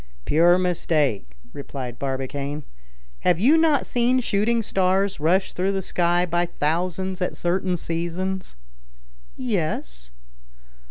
"Pure mistake," replied Barbicane. "Have you not seen shooting stars rush through the sky by thousands at certain seasons?" "Yes."